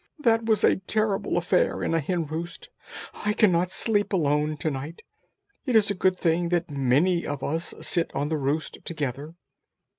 "That was a terrible affair in a hen roost. I cannot sleep alone to night. It is a good thing that many of us sit on the roost together."